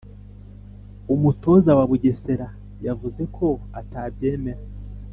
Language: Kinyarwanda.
umutoza wa bugesera yavuze ko atabyemera